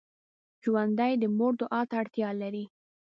ژوندي د مور دعا ته اړتیا لري